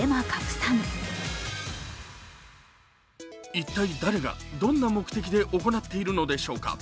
一体誰が、どんな目的で行っているのでしょうか。